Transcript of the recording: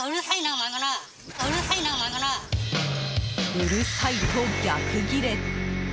うるさい！と逆ギレ。